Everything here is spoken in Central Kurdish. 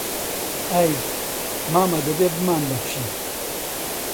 ئەی، مامە دەبێ بمانبەخشی!